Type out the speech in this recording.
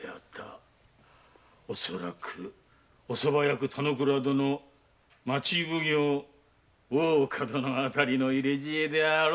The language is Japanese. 恐らくお側役・田之倉殿町奉行・大岡殿の入れ知恵だろう。